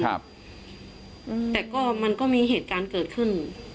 แต่ก็มันก็มีเหตุการณ์เกิดขึ้น